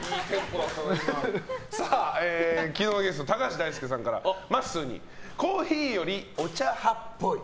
昨日のゲスト高橋大輔さんからまっすーにコーヒーよりお茶派っぽい。